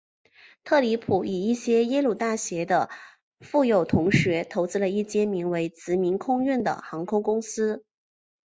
特里普与一些耶鲁大学的富有同学投资了一间名为殖民空运的航空公司。